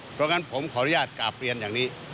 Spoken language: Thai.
เพราะงั้นผมขออนุญาตกราบเรียนอย่างนี้